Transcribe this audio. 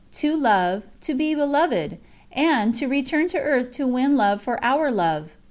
To love, to be beloved, and _to return to earth to win love for our Love!"